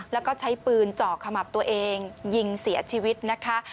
แล้วก็ใช้ปืนเจาะขมับตัวเองยิงเสียชีวิตนะคะ